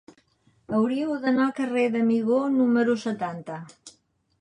Hauria d'anar al carrer d'Amigó número setanta.